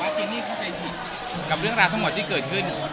เจนนี่เข้าใจผิดกับเรื่องราวทั้งหมดที่เกิดขึ้น